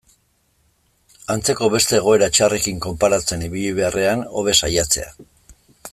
Antzeko beste egoera txarrekin konparatzen ibili beharrean, hobe saiatzea.